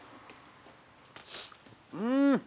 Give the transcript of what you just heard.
うん。